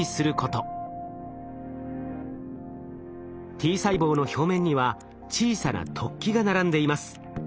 Ｔ細胞の表面には小さな突起が並んでいます。